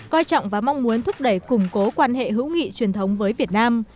coi trọng và mong muốn thúc đẩy củng cố quan hệ hữu nghị truyền thống với việt nam